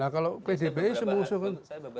kalau pdb mengusuhkan